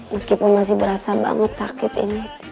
meskipun masih berasa banget sakit ini